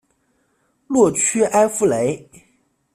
洛屈埃夫雷。